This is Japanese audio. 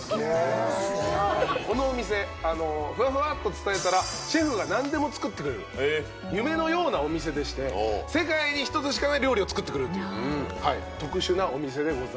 このお店ふわふわっと伝えたらシェフが何でも作ってくれる夢のようなお店でして世界に１つしかない料理を作ってくれるという特殊なお店でございます。